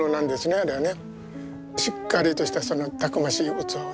これはね。